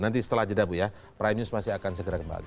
nanti setelah jeda bu ya prime news masih akan segera kembali